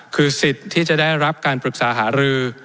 คือสิทธิ์ที่จะได้รับการปรึกษาหารือ